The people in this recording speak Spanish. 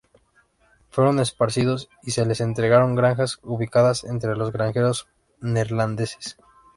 Fueron esparcidos y se les entregaron granjas ubicadas entre los granjeros neerlandeses.